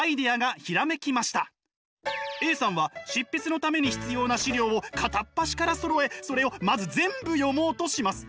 Ａさんは執筆のために必要な資料を片っ端からそろえそれをまず全部読もうとします。